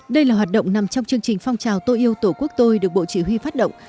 đây là hoạt động nằm trong chương trình phong trào tô yêu tổ quốc tôi được bộ chỉ huy phát động